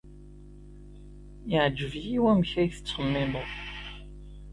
Yeɛjeb-iyi wamek ay tettxemmimeḍ.